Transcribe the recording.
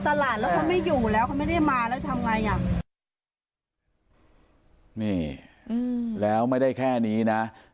เขาไม่ได้มาแล้วทำง่ายอ่ะนี่อืมแล้วไม่ได้แค่นี้น่ะอ่า